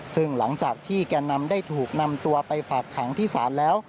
ซึ่งหลังจากที่แก่นำได้ถูกนำตัวไปฝากขังที่ศาลแล้ว